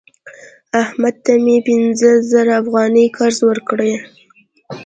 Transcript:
احمد ته مې پنځه زره افغانۍ قرض ورکړی